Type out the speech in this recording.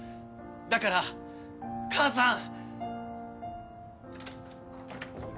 だから母さん！